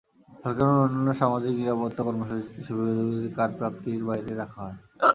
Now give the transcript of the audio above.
সরকারের অন্যান্য সামাজিক নিরাপত্তা কর্মসূচিতে সুবিধাভোগীদের কার্ড প্রাপ্তির বাইরে রাখা হয়।